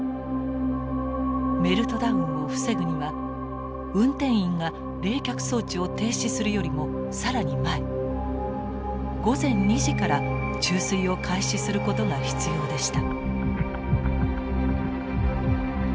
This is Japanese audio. メルトダウンを防ぐには運転員が冷却装置を停止するよりも更に前午前２時から注水を開始することが必要でした。